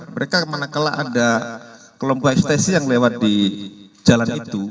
mereka kemana kelah ada kelompok ekspresi yang lewat di jalan itu